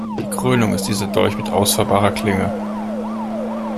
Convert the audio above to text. Die Krönung ist dieser Dolch mit ausfahrbarer Klinge.